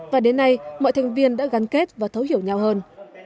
và đến nay mọi thành viên đã gắn kết và thấu hiểu nhau hơn